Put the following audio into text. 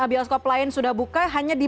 bioskop lain sudah buka hanya di